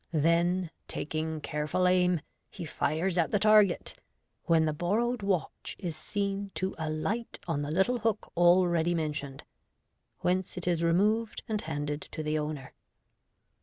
Then, taking careful aim, he fires at the target, when the borrowed watch is seen to alight on the little hook already mentioned, whence it is removed and handed to the owner.